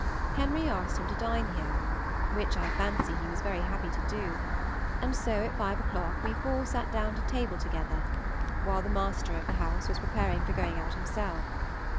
Henry asked him to dine here, which I fancy he was very happy to do, and so at five o'clock we four sat down to table together, while the master of the house was preparing for going out himself.